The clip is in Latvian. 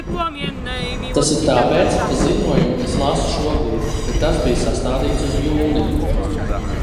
Tas ir tāpēc, ka ziņojumu es lasu šobrīd, bet tas bija sastādīts uz jūniju.